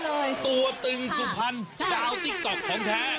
ตัวตึงสุพรรณดาวติ๊กต๊อกของแท้